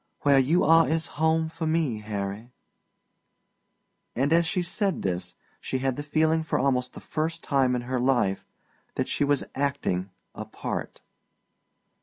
"Where you are is home for me, Harry." And as she said this she had the feeling for almost the first time in her life that she was acting a part.